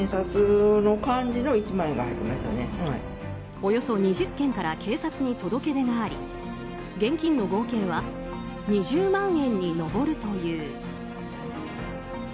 およそ２０軒から警察に届け出があり現金の合計は２０万円に上るという。